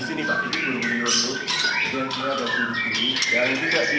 fasilitas di sini pola perawatan bisa mandi